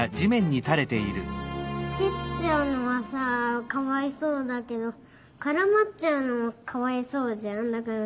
きっちゃうのはさかわいそうだけどからまっちゃうのもかわいそうじゃんだから。